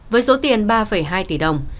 với số tiền ba hai tỷ đồng